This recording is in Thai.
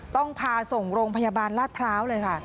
ต้องพาส่งโรงพยาบาลลาดพร้าวเลยค่ะ